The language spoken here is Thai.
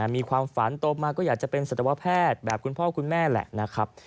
มีความฝันโตมาก็อยากจะเป็นสัตวแพทย์แบบคุณพ่อคุณแม่แหละนะครับ